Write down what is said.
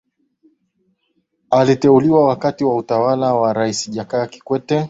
Aliteuliwa wakati wa utawala wa rais Jakaya Kikwete